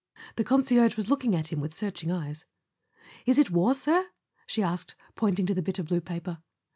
The concierge was looking at him with searching eyes. "Is it war, sir?" she asked, pointing to the bit of blue paper.